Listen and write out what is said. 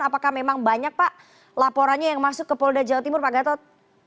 apakah memang banyak pak laporannya yang masuk ke polda jawa timur pak gatot